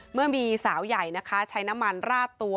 เมื่อมีสาวใหญ่นะคะใช้น้ำมันราดตัว